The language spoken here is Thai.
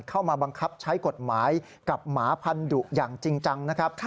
เข้ามาบังคับใช้กฎหมายกับหมาพันธุอย่างจริงจังนะครับ